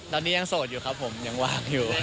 ตอนนี้ยังโสดอยู่ครับผมยังว่างอยู่